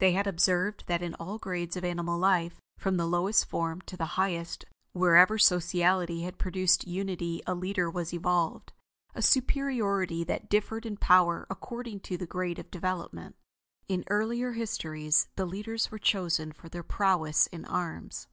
They had observed that in all grades of animal life, from the lowest form to the highest, wherever sociality had produced unity a leader was evolved, a superiority that differed in power according to the grade of development. In the earlier histories, the leaders were chosen for their prowess in arms.